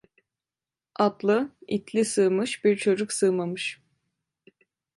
Atlı, itli sığmış, bir çocuk sığmamış.